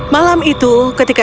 malam itu ketika tiba